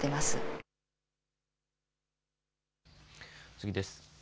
次です。